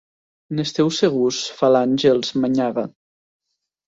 N'esteu segurs? –fa l'Àngels, manyaga–.